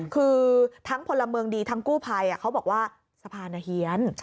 คือทั้งพลเมืองดีทั้งกู้ภัยเขาบอกว่าสะพานเฮียน